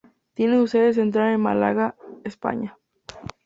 Tiene su sede central en Málaga, España.